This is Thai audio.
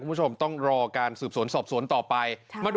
คุณผู้ชมต้องรอการสืบสวนสอบสวนต่อไป